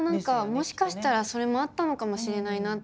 もしかしたらそれもあったのかもしれないなって。